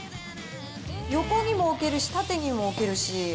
横にも置けるし、縦にも置けるし。